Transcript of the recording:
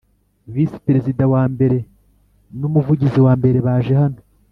Visi Perezida wa mbere nu Umuvugizi wa mbere baje hano